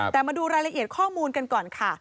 แต่มาดูรายละเอียดข้อมูลกันก่อนค่ะ